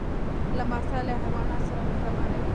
لمسی له حیواناتو سره مهربانه وي.